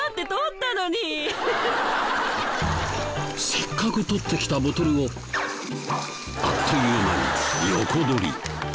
せっかく取ってきたボトルをあっという間に横取り。